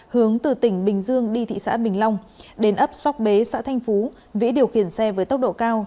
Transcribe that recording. hướng từ tỉnh bình dương đi thị xã bình long đến ấp sóc bế xã thành phú vĩ điều khiển xe với tốc độ cao